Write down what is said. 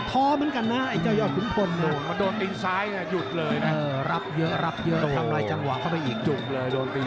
ท้อเหมือนกันน่ะไอ้เจ้าหยอดขุนภล